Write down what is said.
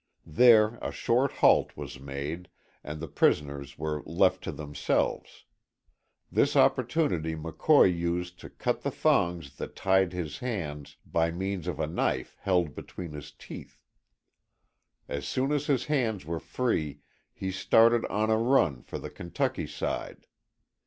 There a short halt was made, and the prisoners were left to themselves. This opportunity McCoy used to cut the thongs that tied his hands by means of a knife held between his teeth. As soon as his hands were free he started on a run for the Kentucky side.